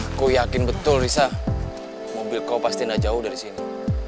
aku yakin betul rhisha mobil kau pastiin enggak jauh dari sini